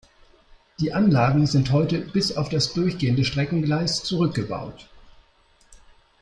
Die Anlagen sind heute bis auf das durchgehende Streckengleis zurückgebaut.